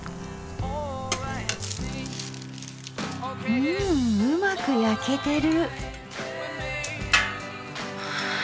うんうまく焼けてる。